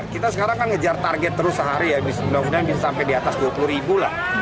kita sekarang akan mengejar target terus sehari bisa sampai di atas dua puluh ribu